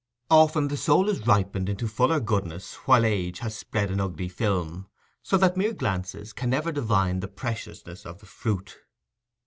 Often the soul is ripened into fuller goodness while age has spread an ugly film, so that mere glances can never divine the preciousness of the fruit.